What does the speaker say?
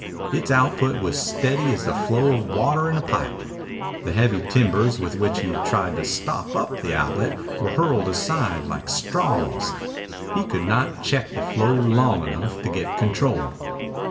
Its output was steady as the flow of water in a pipe. The heavy timbers with which he tried to stop up the outlet were hurled aside like straws. He could not check the flow long enough to get control.